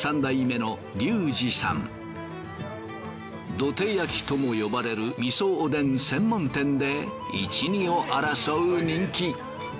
どて焼きとも呼ばれるみそおでん専門店で１２を争う人気。